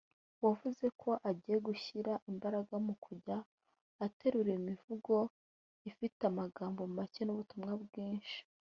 wavuze ko agiye gushyira imbaraga mu kujya ategura imivugo ifite amagambo make n’ubutumwa bwinshi